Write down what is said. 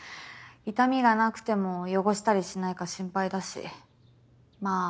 痛みがなくても汚したりしないか心配だしまあ